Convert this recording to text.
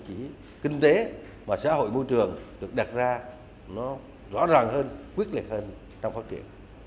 chỉ kinh tế và xã hội môi trường được đặt ra nó rõ ràng hơn quyết liệt hơn trong phát triển